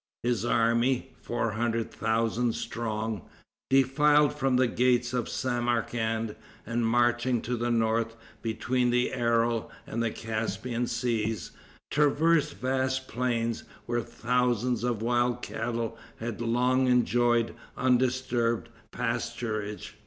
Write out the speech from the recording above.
His army, four hundred thousand strong, defiled from the gates of Samarcand, and marching to the north, between the Aral and the Caspian Seas, traversed vast plains, where thousands of wild cattle had long enjoyed undisturbed pasturage.